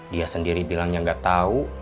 dia sendiri bilangnya nggak tahu